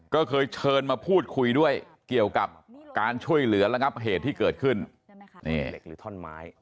ก็เคยเชิญมาพูดคุยด้วยเกี่ยวกับการช่วยเหลือแล้วครับเหตุที่เกิดขึ้น